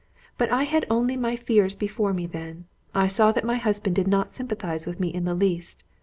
But I had only my fears before me then: I saw that my husband did not sympathize with me in the least.